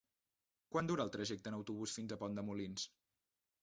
Quant dura el trajecte en autobús fins a Pont de Molins?